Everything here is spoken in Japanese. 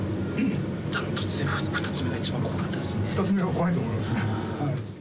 ２つ目が怖いと思いますね。